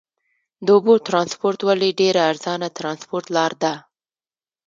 د اوبو ترانسپورت ولې ډېره ارزانه ترانسپورت لار ده؟